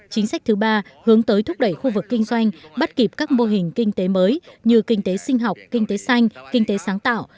chính sách thứ ba hướng tới thúc đẩy khu vực kinh doanh bắt kịp các mô hình kinh tế mới như kinh tế sinh học kinh tế xanh kinh tế sáng tạo